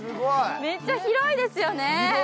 めっちゃ広いですよね。